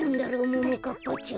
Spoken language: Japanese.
ももかっぱちゃん。